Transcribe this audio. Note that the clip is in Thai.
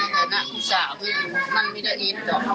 ในฐานะผู้สาวมันไม่ได้เอ็ดดอก